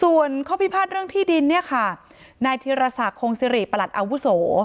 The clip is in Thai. ส่วนข้อพิพาทเรื่องที่ดินเนี่ยค่ะนายธีรศักดิ์คงสิริประหลัดอาวุโส